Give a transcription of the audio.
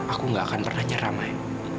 aku nggak akan pernah menyerah mai